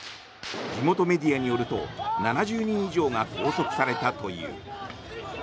地元メディアによると７０人以上が拘束されたという。